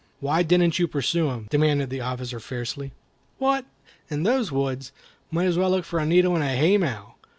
"Why didn't you pursue him?" demanded the officer, fiercely. "What! in those woods? Might as well look for a needle in a haymow.